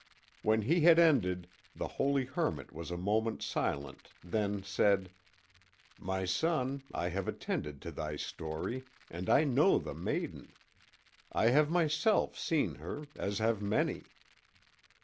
When he had ended, the holy hermit was a moment silent, then said: "My son, I have attended to thy story, and I know the maiden. I have myself seen her, as have many.